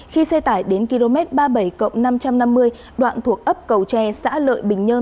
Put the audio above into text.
khi xe tải đến km ba mươi bảy năm trăm năm mươi đoạn thuộc ấp cầu tre xã lợi bình nhơn